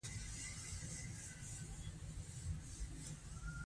ازادي راډیو د مالي پالیسي د اړونده قوانینو په اړه معلومات ورکړي.